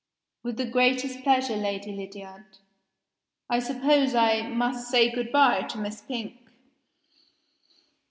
"With the greatest pleasure, Lady Lydiard. I suppose I must say good by to Miss Pink?"